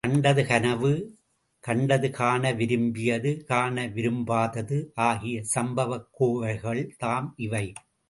கண்டது, கனவு கண்டது, காண விரும்பியது, காண விரும்பாதது ஆகிய சம்பவக் கோவைகள் தாம் இவை.